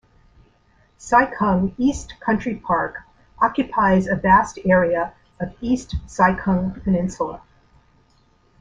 Sai Kung East Country Parkoccupies a vast area of east Sai Kung Peninsula.